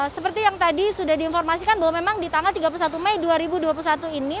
seperti yang tadi sudah diinformasikan bahwa memang di tanggal tiga puluh satu mei dua ribu dua puluh satu ini